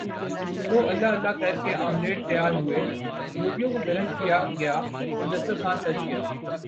سو اللہ اللہ کر کے آملیٹ تیار ہوئے روٹیوں کو گرم کیا گیااور دستر خوان سج گیا